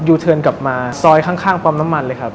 อยู่เทินกลับมาซอยข้างปอมน้ำมันเลยครับ